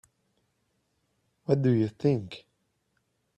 What did you think?